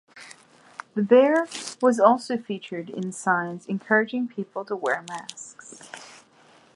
The bear was also featured in signs encouraging people to wear masks.